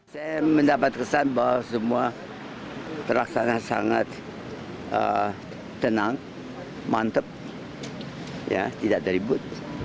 saya mendapat kesan bahwa semua terlaksana sangat tenang mantep tidak teribut